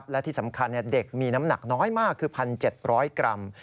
และที่สำคัญเด็กมีน้ำหนักน้อยมากคือ๑๗๐๐กรัม